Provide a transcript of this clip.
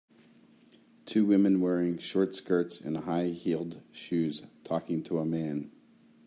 Two women wearing short skirts and high heeled shoes talking to a man.